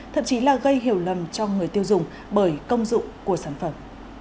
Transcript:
thậm chí là gây hiểu lầm cho người tiêu dùng bởi công dụng của sản phẩm